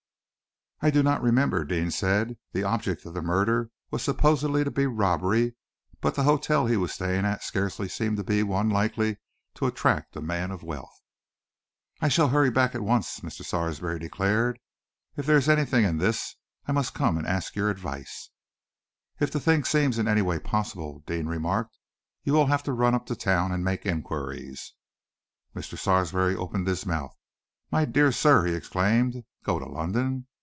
"I do not remember," Deane said. "The object of the murder was supposed to be robbery, but the hotel he was staying at scarcely seemed to be one likely to attract a man of wealth." "I shall hurry back at once," Mr. Sarsby declared. "If there is anything in this, I must come and ask your advice." "If the thing seems in any way possible," Deane remarked, "you will have to run up to town and make inquiries." Mr. Sarsby opened his mouth. "My dear sir!" he exclaimed. "Go to London?